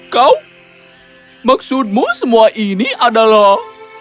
kau maksudmu semua ini adalah